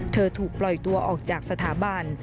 ถูกปล่อยตัวออกจากสถาบัน